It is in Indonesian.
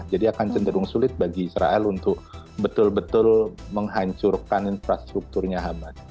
jadi akan cenderung sulit bagi israel untuk betul betul menghancurkan infrastrukturnya hamas